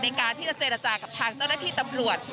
ในการที่จะเจรจากับทางเจ้าหน้าที่ตำรวจ